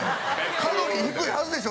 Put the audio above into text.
カロリー低いはずでしょ